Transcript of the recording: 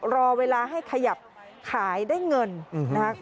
รอเวลาให้ขยับขายได้เงินนะครับ